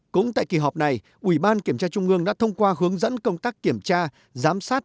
cũng tại kỳ họp này ủy ban kiểm tra trung ương đã thông qua hướng dẫn công tác kiểm tra giám sát